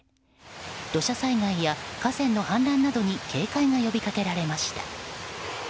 土砂災害や河川の氾濫などに警戒が呼び掛けられました。